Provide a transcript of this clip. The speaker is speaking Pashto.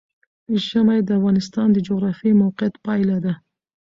ژمی د افغانستان د جغرافیایي موقیعت پایله ده.